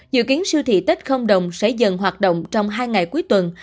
dự kiến siêu thị tết không đồng sẽ dần hoạt động trong hai ngày cuối tuần